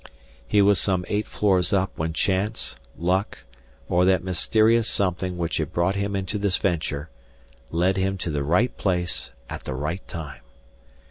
He was some eight floors up when chance, luck, or that mysterious something which had brought him into this venture, led him to the right place at the right time.